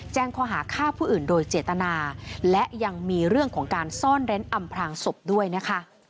ข้อหาฆ่าผู้อื่นโดยเจตนาและยังมีเรื่องของการซ่อนเร้นอำพลางศพด้วยนะคะ